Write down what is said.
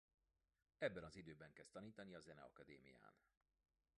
Ebben az időben kezd tanítani a Zeneakadémián.